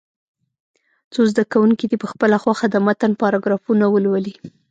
څو زده کوونکي دې په خپله خوښه د متن پاراګرافونه ولولي.